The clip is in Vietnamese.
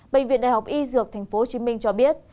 bệnh viện đại học y dược tp hcm cho biết